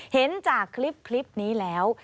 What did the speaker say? เห็นจากคลิปนี้แล้ว